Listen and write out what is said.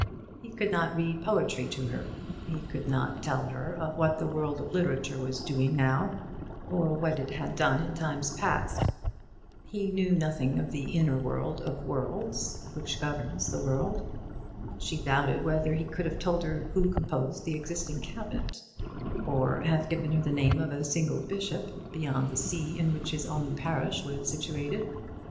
He could not read poetry to her, he could not tell her of what the world of literature was doing now or of what it had done in times past. He knew nothing of the inner world of worlds which governs the world. She doubted whether he could have told her who composed the existing cabinet, or have given the name of a single bishop beyond the see in which his own parish was situated.